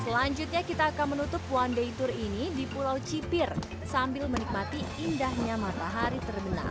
selanjutnya kita akan menutup one day tour ini di pulau cipir sambil menikmati indahnya matahari terbenam